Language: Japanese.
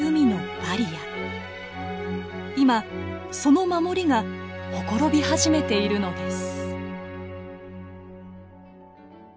今その守りがほころび始めているのです。